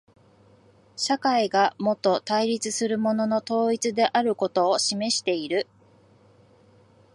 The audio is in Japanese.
社会がもと対立するものの統一であることを示している。